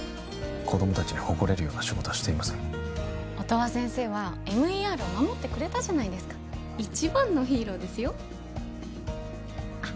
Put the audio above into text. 子供達に誇れるような仕事はしていません音羽先生はＭＥＲを守ってくれたじゃないですか一番のヒーローですよあっ